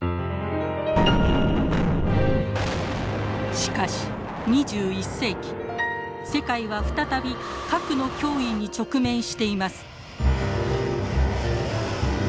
しかし２１世紀世界は再び核の脅威に直面しています。